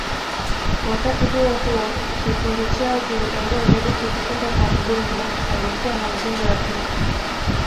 Wakati huohuo kikundi chao kilitambua virusi kutoka kwa mgonjwa aliyekuwa na uvimbe wa tezi